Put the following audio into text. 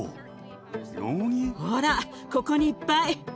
ほらここにいっぱい。